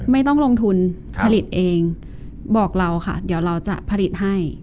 ไม่ต้องลงทุนผลิตเองบอกเราค่ะเดี๋ยวเราจะผลิตให้